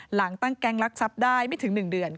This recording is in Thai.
หลังตั้งแก๊งลักทรัพย์ได้ไม่ถึง๑เดือน